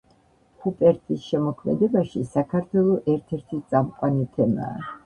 ჰუპერტის შემოქმედებაში საქართველო ერთ-ერთი წამყვანი თემაა.